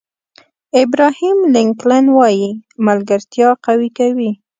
ابراهیم لینکلن وایي ملګرتیا قوي کوي.